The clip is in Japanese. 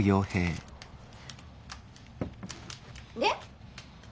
で？